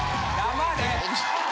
黙れ！